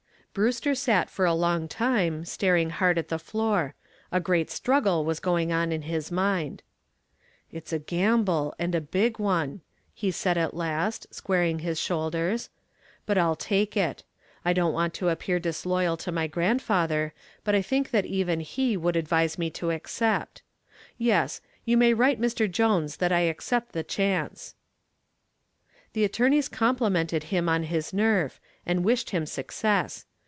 Brewster sat for a long time, staring hard at the floor. A great struggle was going on in his mind. "It's a gamble, and a big one," he said at last, squaring his shoulders, "but I'll take it. I don't want to appear disloyal to my grandfather, but I think that even he would advise me to accept. Yes, you may write Mr. Jones that I accept the chance." The attorneys complimented him on his nerve, and wished him success.